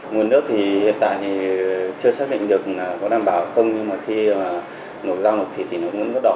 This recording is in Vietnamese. nguồn nước thì hiện tại thì chưa xác định được là có đảm bảo không nhưng mà khi mà nổ rau nổ thịt thì nó vẫn có đỏ